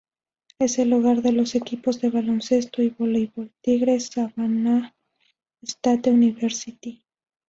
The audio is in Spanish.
Es el hogar de los equipos de baloncesto y voleibol Tigres Savannah State University.